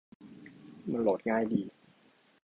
มันโหลดง่ายดี